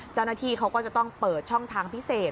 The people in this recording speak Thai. เจ้าหน้าที่เขาก็จะต้องเปิดช่องทางพิเศษ